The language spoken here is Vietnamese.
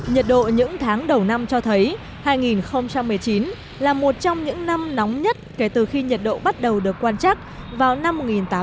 nhiệt độ những tháng đầu năm cho thấy hai nghìn một mươi chín là một trong những năm nóng nhất kể từ khi nhiệt độ bắt đầu được quan trắc vào năm một nghìn tám trăm tám mươi